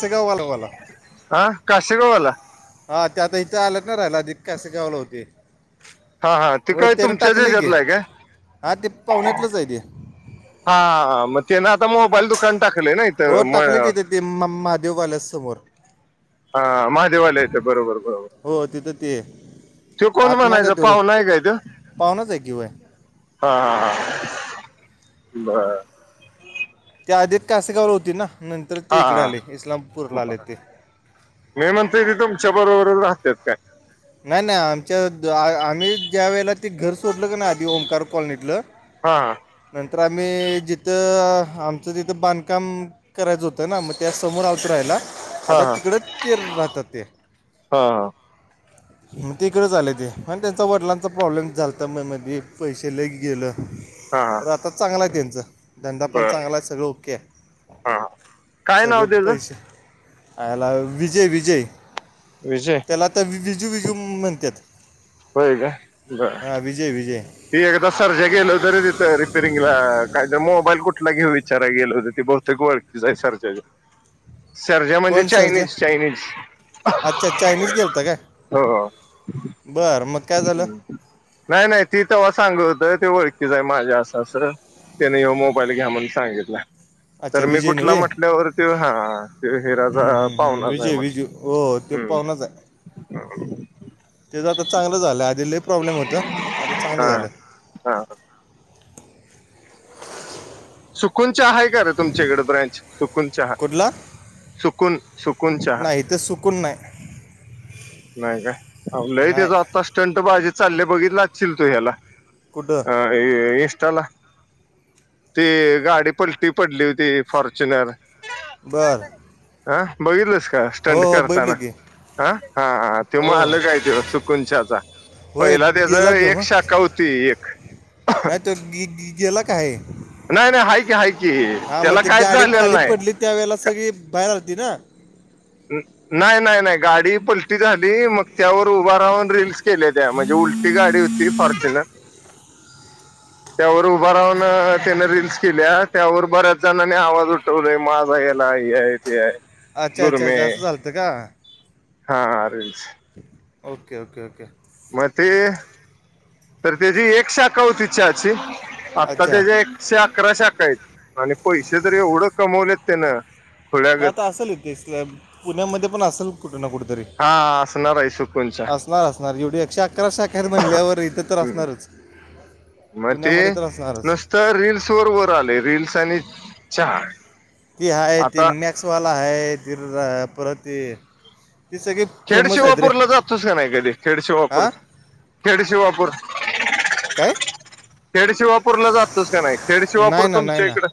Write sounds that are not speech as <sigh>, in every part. सगळे वला वला हा काशेगवाला. हा त्या आता इथं आलंत ना राहिला आधी ते काशी गावाला होते. हा हा ते होय काय त्यान तुमच्याच टाकलंय की ह्याच्यातला आहे काय हा ते पाहुण्यातलंच आहे ते. हा मग ते ना आता मोबाईल दुकान टाकलंय ना. हो इथं म टाकले त्यानी ते महादेव वाल्या समोर. हा महादेवालय येत बरोबर बरोबर. हो तिथं ते. तो कोण आत नाही का म्हणायचा ते रोड पाहुना काय तो. पाहुणाच आहे की वय हा हा हा बर त्या आधीच कासेगावला होती ना नंतर हा ते इकडे हा आले इस्लामपूर वरून बर. आले ते. मी म्हणतोय ते तुमच्या बरोबर राहतात काय? नाही नाही आमच्या आम्ही ज्या वेळेला ते घर सोडल ना आधी ओंकार कॉलनीतलं. हां नंतर आम्ही जिथं आमचं तिथं बांधकाम करायचं होतं ना मग त्या समोर आलतो राहायला हा आता हा हा तिकडं ते राहतात ते. हा हां मग तेकडेंच आले ते मग त्यांचा वडिलांचा प्रॉब्लेम झालता तर म मग पैसे लय गेलं. हा हा तर आता चांगला आहे त्यांचं. धंदा पण बर चांगला आहे सगळं ओके आहे हा काय नाव सगळें त्याचं पैसे. अयला विजय विजय. विजय त्याला आता बिजू बिजू म्हणतात. होय काय बरं हां विजय विजय ती एकदा सरजा गेल हो तरी तिथं रिपेरिंगला काय तर मोबाईल कुठला घेऊ विचारा गेल होत ती बुहुतेक वळ आहे सरजा सर्जा म्हणजे कोण सरजा चायनीज चायनीज. अच्छा चायनीज गेलता काय हो बरं मग काय झालं? नाही नाही ती तेव्हा सांगत होत ओळखीच आहे माझ्या असं असं. त्यानेव मोबाईल घ्या म्हण सांगितला. अच्छा तर मी विजय कुठला नव्हे म्हटल्यावरती हा ते हिराज हम्म, हम्म, हम्म. पाहुनाच आहे विजय म्हटलं. विजू हो हो तेो पाहण्याच आहे. ह. त्याच आता चांगलं झालं आध ल प्रॉब्लेम होत आता चांगलं झालं. हा हा. सुकुन चहा आहे. कर तुमच्याकडे ब्रांच सुकून चहा कुठला सुकून सुकून चहा इथ सुकून नाही. नाही काय आपलं नाही त्याचा आत्ता स्टंट बाजी चालले बघितलाचशील तू ह्याला. कुठं अ इंस्टा ला. ती गाडी पलटी पडली होती फॉर्च्युनर बरं. हं बघितीलस का स्टंट हो बैठलं करताना की ह हा. तेव हो मालक आहे तेव सुकुन चहा चा. होय पहिला त्याच गेला तो एक मग शाखा होती एक. गी गेला कि आहे. नाही नाही हाय की हाय त्याला कायच झालेलं नाही. त्या वेळेला सगळी बाहेर आलती ना. ह. नाही नाही नाही गाडी पलटी झाली मग त्यावर उभा राहून रीलल्स केले त्या म्हणजे उलटी गाडी होती. ती फॉर्च्यूनर त्यावर उभा राहून त्याने रीलस केल्या त्यावर बऱ्याच जणांनी आवाज उठ. त नाही माझ आहे याला हे आहे ते आहे. अच्छा अच्छा गुरमे असं जालत का? हा आरेज. Okay okay okay. मग ते तर त्याची एक शाखा होती इ्छाची आता अच्छा त्याच्या ऐकशे अकरा शाखा आहेत आणि पैसे तर येवड कमवले तेणे मग आता असेल तेे सर पुण्यामध्ये पण असेल कुठे ना कुठेतरी हा असणार आहे सुकूनचा असणार असणार एवढी एकशे अकरा शाखेत म्हणल्यावर इथं तर हम्म असणारच. पुण्यामध्ये तर असणारच. तर रीलस वर आले रीलस आणि चार की ह ते मॅक्सवाला ह ति परत त स कळी खेडशिवापूरला जातुस का नाही कधी खेडशिवापूर हा खेडशिवापूर काय? खेडशिवापूरला जातोस का नाही खेडशिवापूर नाही ना नाही तुमच्या ना इकडं.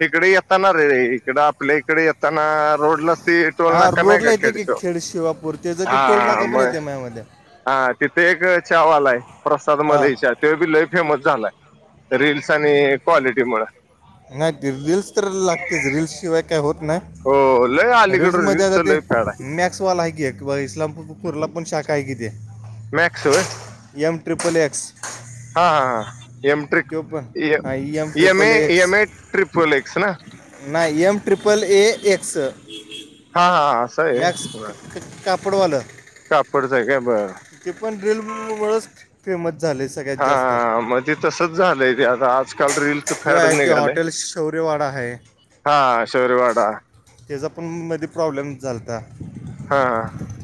तिकडे येताना रे इकड आपल्या इकडे येताना रोडला ते टोल नाका नायिका खेडचों शिेवापूर्ती हा मग हा तिथे एक चहा वाला आहे प्रसाद हा मलाई ते बी लय फेमस झालाय रीलस आणि क्वालिटी मुळ नाही ते रीलस तर लागतेच रीलसशिवाय काही होत नाही. हो लय रीलल्स अलीकड मध्ये रील्स आता ते लय फॅड आहे म्या वाल आहे कि एक इस्लामपूर ला पण शाखा आहे कि ते मॅक्स वय. M triple X. हा हा यम ट्रीक तो पण हा A M triple A X M triple X ना. नाही एम ट्रिपल ए एक्स. हा हा हा असं मॅक्स क आहे क कापडवाल. कापडच आहे काय बरं ते पण रील मुळच फेमस झालेच. हा म्हणजे तसच झालंय रे आता आजकाल रील त्यो आहे ते हॉटेल शौर्यवाडा आहे. हा शौर्यवाडा त्येचा पण मध्ये प्रॉब्लेम झालता. हा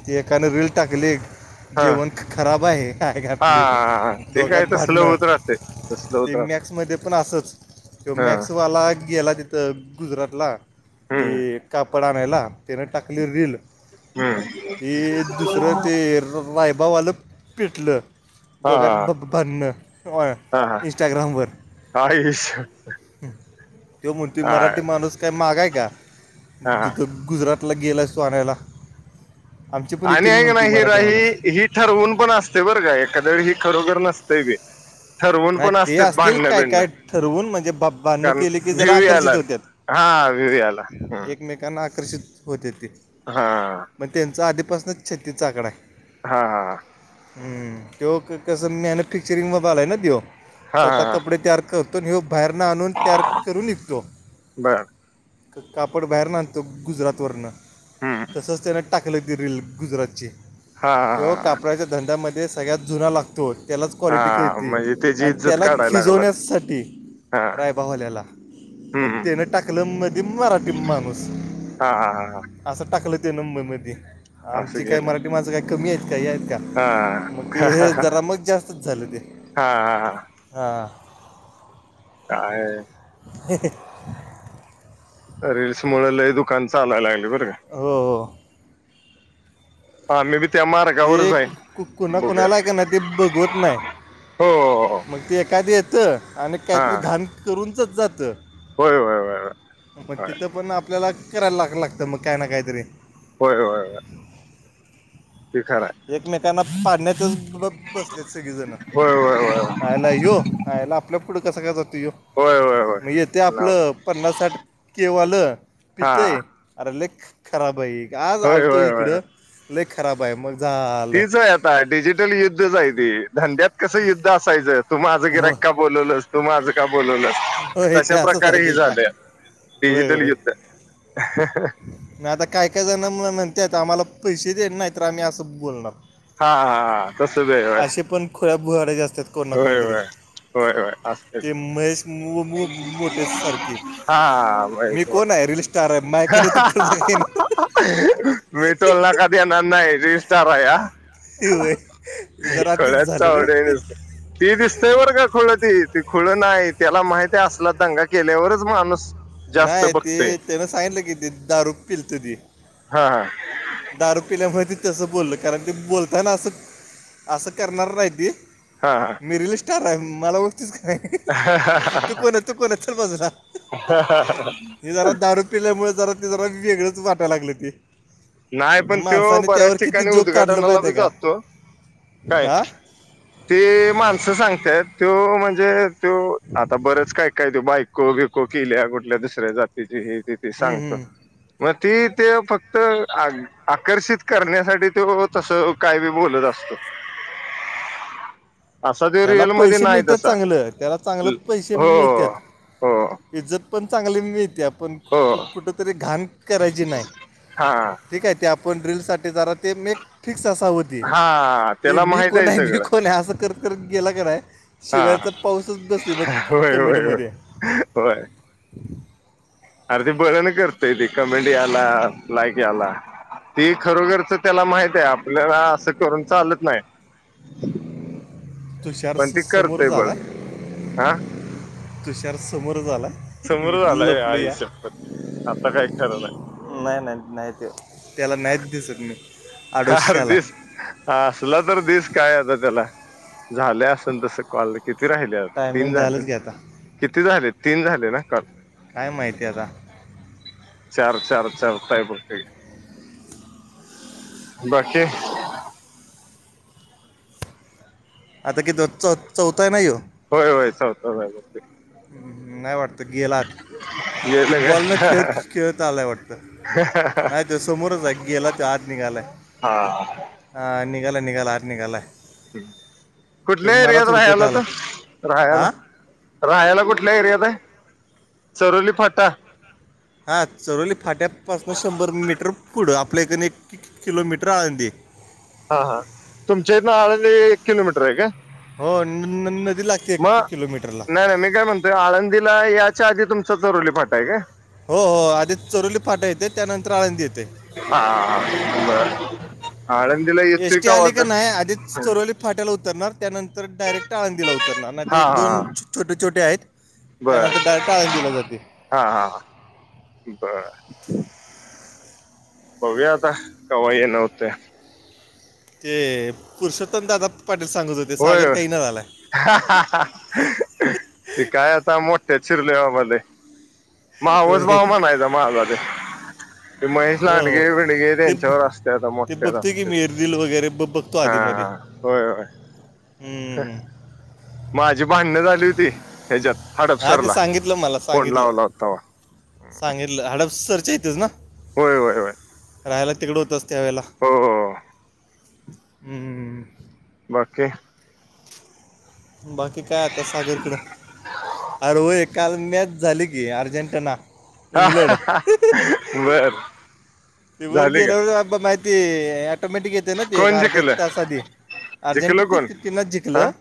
ती एकन रील टाकली. हा जेवण खराब आहे आपली हा ते काय दोघांत तसलं भांडणं. होत राहते तसलं ते होत राहत मॅक्स मध्ये पण असंच त्यो हा मध्ये तू आला गेला तिथ गुजरातला ती हम्म कापड आणायला त्याने टाकली रील. हम्म हे दुसरं ते रायबावालं पेटलं. हा हा दोघांत भांडणं इंस्टाग्रामवर काय त्यो म्हणतो मराठी माणूस काय मागाय का हा. तिथ गुजरातला गेलास तु आणायला. आणि आहे का नाही हि राही माणूस ही ठरवून पण असते बरं का एखाद वेळी ही खरोखर नसते बी. ठरवून नाही पण ते असते असतील भांडणं काय बिडणं काय ठरवून म्हणजे बा भांडणं कारण केले की जरा भिवी याला आकर्षित होतात हा विवे आला हम् त्यांना आकर्षित होते ते. हा मग त्येंचा आधीपासूनच छत्तीसचा आकडा आहे. हा हा ह त्यो कसं मॅन्युफॅक्चरिंग वर झाला न तो हा स्वतः हा कपडे तयार करतो यो बाहेरन आणून तयार करून विकतो. बरं कापड बाहेर न आणतो गुजरात वरन हम्म तसच त्येन टाकले त रीलील गुजरातची हा हा तेव्हा कापडाच्या धंद्यामध्ये सगळ्यात जुना लागतो. त्यालाच हा कॉलिटी हा. कळती म्हणजे त्याची आणि इज्जत त्याला काढायला लागलात खिजवण्यासाठी हा रायबावाल्याला. मग हम्म त्यान टाकलं म दि मराठी माणूस हा हा हा हा. असं टाकलं ते मुंबईमध्ये असं आमची काही गेलंय मराठी माणसं काही कमी आहेत का हे आहेत का. हा मग ते हा हे जरा मग जास्तच झाले तरी हा हा हा हा काय ह रीलस मुळ लय दुकान चालायला लागल बरं का. हो हो का आम्ही बी त्या ते मार्गावरच आहे कोणा कोणाला आहे बघूयात का नाही ते बघवत नाही. हो हो मग ते एखाद येतं. आणि हा काहीतरी घाण करूनचच जातं होय होय होय होय पण होय तिथं पण आपल्याला करायला लाग लागत मग काय ना कायत रे होय होय हे खरं आहे. एकमेकांना पाडण्यातच बाबा बसलेत सगळी जण होय होय होय काय यो आला आपल्यापुढं कसं काय? होय होय होय मग येतय लाव आपलं पन्नास, साठ के वालं हा पितय. अरे लेक खराब आहे आज होय आलतो होय होय इकडं लेक खराब आहे मग. झालं तीच आहे आता, डिजिटल युद्धच आहे ते धंद्यात कस युद्ध असायचं तु माझं हो- गिरायक काप बोलवलं तू माझं का बोलवलं. होय ते तशा असंच आहे प्रकारे ह ते झाले डिजिटल युद्ध नाही आता काय काय जाण मला म्हणते आम्हाला पैसे देेत नाही तर आम्ही असं बोलणार. हा हा हा तस होय असे पण खुऱ बुहार्या जा असतात कोण ना होय कोणतरी होय होय होय असते ते महेश मो मो मोठे सारके मी हा कोण आहे रिलेश त्या मॅ मी तोला कधी येणार नाही रिस्तार या होय हे जरा तीच खणाच झालं रे आवड आहे नसत ती दिसते बरं का खुळ ती ती खुळ नाही त्याला माहिती असल दंगा केल्यावरच माणूस जास्त नाही ती बघतोय त्यान सांगितलं कि ते दहा रुपलत ती हा दारू पिल्यामुळे ते तसं बोलल कारण ते बोलतायना असं असं करणार नाहीती हा हां मी रिल स्टार आहे मला वस्तीच का नाही हा तू कोण तू कोण चल बाजूला हे जरा दारू पिल्यामुळे जरा ते जरा वेगळंच वाटायला लागलं ते नाही पण तो माणसाने बऱ्याच त्यावर किती ठिकाणी जोक काढलं उद्घाटनाला माहिित आहे बी जातो काय का आा ते माणसं सांगतय तो म्हणजे त आता बरंच काय काय त बाईक कोगे को कल्या कुठल्या दुसऱ्या जातीची हे तिथे हम्म, सांगतो हम्म. मग ती ते फक्त आकर्षित करण्यासाठी तो तस काय बी बोलत असतो ह अस दे त्याला रिअलमध्येध्ये पैसे नाही मिळतात तसा चांगलं त्याला चांगलं पैसे हो मिळतात हो इज्जत पण चांगली मिळतेया पण हो कु कु कुठं तरी घाण करायची नाही. हा ठीक आहे ते आपण ड्रिल सासाठी जरा ते मेक फिक्स असा होत हा ते त्याला मी माहित कोण आहे मी सगळं कोण आहे असं तर गेला का नाही हा शिवायचा पाऊसच बसली बघ होय होय कमेटमध्ये होय अरदीी बर ना करतय ती कमेंट याला लाईक याला ते खरोखरच त्याला माहित आहे आपल्याला असं करून चालत नाही तुषार पण ते समोर करतय बळण झालंय हा तुषार समोर झालं आहे समोर झालाय आयुष्यातभर आता काही खरण नाही नाही नाही ते त्याला नाहीच दिसत मी हा आडोशी आला हरदीस ह असला तर दिस काय आता त्याला झाल्या असल तस कॉल किती राहिल तीन टायमिंग झाले झालंच घ्या आता किती झाले तीन झाले ना का काय माहिती आहे आता चार चार चार काय बरत बाकीकी आता कि तो चौ चौथा आहे नाही ये होय होय सवतय नाही वाटतं गेलात हे गेलं बॉल न काय खेळत खेळत आलाय वाटतं. आय तो सोमोरच अग्गला त आत निघाल हा ह निघा निघाला आ निघा कुठल्या एरियात थुडकत राहायला आला तर राहायला हा राहाला कुठल्या एरियात आहे चरोली फाटा हां चरोवली फाट्यापासनं शंभर मीटर पुढं आपल्याकडे एक कि किलोमीटर आळंदी हा हा तुमच्या इ ना आळली एक किलोमीटर आहे का हो नदी लागते एक किलोमीटर लागते मेघा म्हंत्री आळंदीला याच्या आधी तुमचा तरुली फाटा आहे का हो हो आधी चोरली फाटा येते त्यानंतर आळंदी येते हा हा बर आळंदीला येतोय एस टी का आली वाद नाही आधी चरोली फाट्याला उतरणार त्यानंतर डायरेक्ट आाळंदीला उतरणार नाही ते हा एक हा दोन छोटे छोटे आहेत बर त्यानंतर डायरेक्टाळून दिला जाते हा हा बर भव्याता कवाय नव होते ते पुरुषोत्तमदाादा पाटील सांगत होते होय सागर होय काही ना झाला. ते काय आता मोठे चिरले आ मले. मवस भाव होय मणयचा माझ ते ते महेश हो हो लांडगे विंडगे ते त्यांच्यावर असते आता ते मोठक्यात बघतोय की असते मी रील वगैरे ब बघतो आधीमध्ये हाा. होय ह. हम्म. माझी भांडण झाली होती ह्याच्यात हा ते हडपसरला सांगितलं मला फोन सांगितलं लावला होता व सांगितलं हडपसरच्या यथेच ना. होय होय होय. राहायला तिकडं होतंच त्या ववेळेला हम. हम्म. बाकी बाकी काय आता सागरकडं अर होय काल मॅच झाली की अर्जेंटिना हा इंग्लंड बर. ते वर झाली का? गेल्यावर बा माहिती ऑटोमॅटिक येते ना ते एक कोण अर्धा एक जिकलं तास आधी जिकलं कोण अर्जेंटिना हा जिंकलं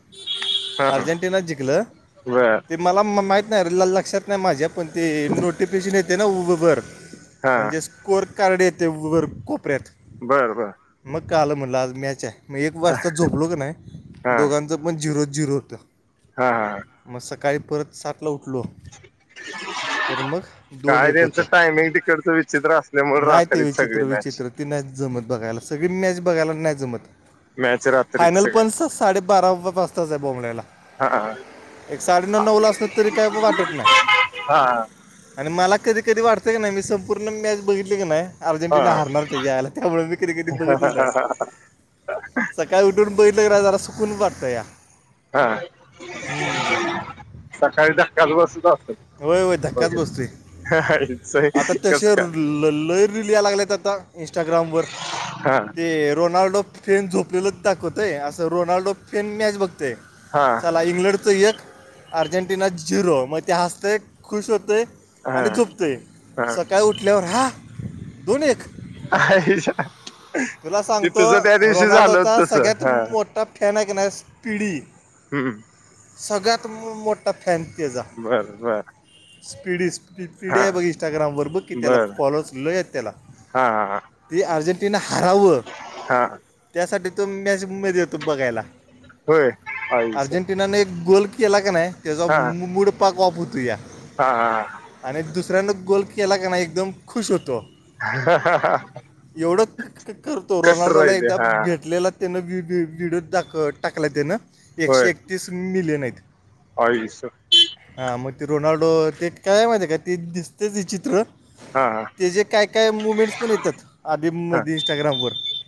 हा अर्जेंटिना जिंकलं बर ते मला माहित नाहीे लक्षात नाही माझ्या पण ते नोटिफिकेशन येते ना उर. हा म्हणजेच कोर कारडे ते वर कोपऱ्यात बरं बरं. मग काल मुलाजम्याच्या आहे. मी एक वाजता झोपलो क नाही हा दोघांचं पण झिरो झिरो होतं. हा हा. मग सकाळी परत सातला उठलो तर मग दोन काय एक त्यांचं होतं. टायमिंग तिकडच विचित्र असल्यामुळे नाही ते रात्रीच सगळी विचित्र मॅच विचित्र ती नाही जमत बघायला सगळी मॅच नाही जमत बघायला. मॅच रात्रीच फायनल सगळी पणस साडेबारापजताच आहे बोमलेला हा एक साडेनऊ नऊव ला असलं तरी काय वाटत नाही. हा. आणि मला कधी कधी वाटतय का नाही मी संपूर्ण मॅच बघितली काी नाही. हा अर्जेंटिना हारणार ते यायला त्यामुळे मी कध कधी बघतच नाही. सकाळी उठून बैलं क जरा सुकून वाटतं या. हा हम्म. सकाळी द कालवरर सुद्धा असत. होय होय धक्काच बसत. बघितलं आता कस तसे काय ल लईरी लि लागल्यात आता इंस्टाग्रामवरर. हा ते रोनाल्डो फेन झोपलेलंच दाखवतय असं रोनाल्डो फेन मॅच बघतय. हा. ला इंग्लंड च एक अर्जेंटिना झिरो मग ते हसते खुश होतेय. हा आणि तुपतेय हा सकाळी उठल्यावर हा दोन एक <unintelligible> तुला ते सांगतो तुझं त्या दिवशी झालं होत रोनाल्डोचा तस सगळ्यात हा मोठा फॅन आहे क नाही स्पीडी हम्. सगळ्यात मोठा फॅन ते जा. बरं बर. स्पीडस. ती पीढ हा आहे बघ इंस्टाग्रामवरर बघ की त्याला बर फॉलो लो आहेत त्याला हा ती अर्जेंटिना हराावं हा त्यासाठी तो मॅस उमेद येतो बघायला. होय आयुष आर्जेटीनाने एक गोल केला का नाही त्याचा मूड पाक ऑफ होतोय. हा हा. आणि दुसऱ्यान गोल केला का नाही एकदम खुश होतो. ह ह एवढं ह. क- करतो रोनाल्डोला एकदा भेटलेला त्यानं व्हिडिओ दा टाकला त्यानं एकशे एकतीस मिलियन आहेत. ह सर. हां मग ते रोनाल्डो ते काय माहिती का ते दिसतेच विचित्र. हा हा ते जे काय काय मुमेंट्स पण येतात आधी म इंस्टाग्रामवर.